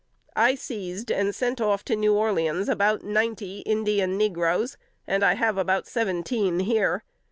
I seized, and sent off to New Orleans, about ninety Indian negroes, and I have about seventeen here.